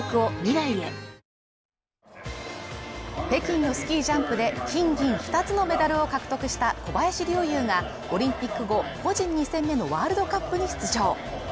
北京のスキージャンプで金銀２つのメダルを獲得した小林陵侑がオリンピック後個人２戦目のワールドカップに出場